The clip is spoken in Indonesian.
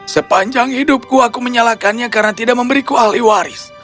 sepanjang hidupku aku menyalakannya karena tidak memberiku ahli waris